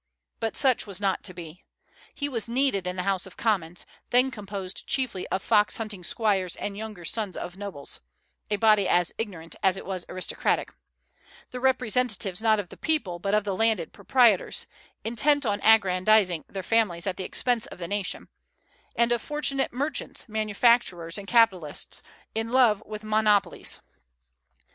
But such was not to be. He was needed in the House of Commons, then composed chiefly of fox hunting squires and younger sons of nobles (a body as ignorant as it was aristocratic), the representatives not of the people but of the landed proprietors, intent on aggrandizing their families at the expense of the nation, and of fortunate merchants, manufacturers, and capitalists, in love with monopolies.